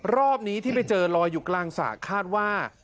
รอบนี้ที่ไปเจอลอยอยู่กลางสระคาดว่า